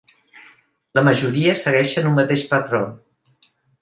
La majoria segueixen un mateix patró.